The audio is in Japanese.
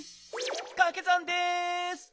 かけ算です。